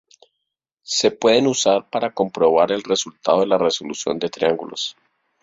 Se pueden usar para comprobar el resultado de la resolución de triángulos.